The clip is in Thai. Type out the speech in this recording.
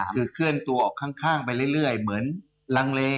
คือเคลื่อนตัวออกข้างไปเรื่อยเหมือนลังเล